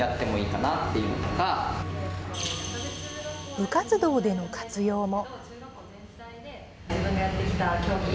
部活動での活用も。